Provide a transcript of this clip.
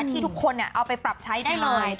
ที่ทุกคนเอาไปปรับใช้ได้เลย